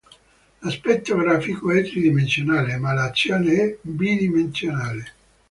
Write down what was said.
L'aspetto grafico è tridimensionale, ma l'azione è bidimensionale.